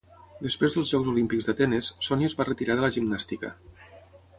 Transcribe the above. Després dels Jocs Olímpics d'Atenes, Sonia es va retirar de la gimnàstica.